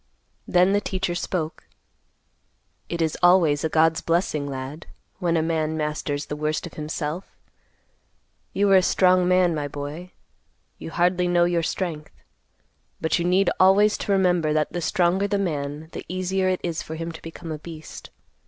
Then the teacher spoke, "It is always a God's blessing, lad, when a man masters the worst of himself. You are a strong man, my boy. You hardly know your strength. But you need always to remember that the stronger the man, the easier it is for him to become a beast.